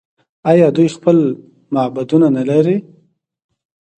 آیا دوی خپل معبدونه نلري؟